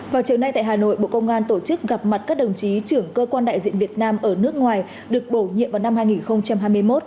vào chiều nay tại hà nội bộ công an tổ chức gặp mặt các đồng chí trưởng cơ quan đại diện việt nam ở nước ngoài được bổ nhiệm vào năm hai nghìn hai mươi một